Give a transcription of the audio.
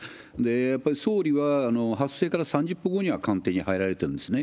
やっぱり総理は発生から３０分後には官邸に入られてるんですね。